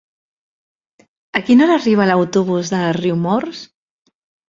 A quina hora arriba l'autobús de Riumors?